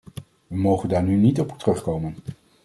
We mogen daar nu niet op terugkomen.